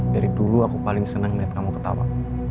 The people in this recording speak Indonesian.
dari dulu aku paling seneng liat kamu ketawa